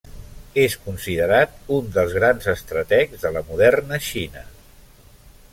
És considerat un dels grans estrategs de la moderna Xina.